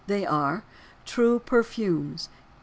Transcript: They are: TRUE PERFUMES.